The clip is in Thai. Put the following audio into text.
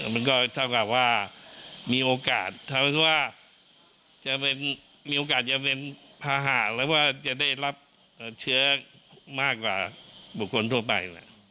มันก็เท่ากับว่ามีโอกาสจะเป็นภาหาและว่าจะได้รับเชื้อมากกว่าบุคคลทั่วไป